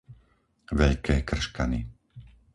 Veľké Krškany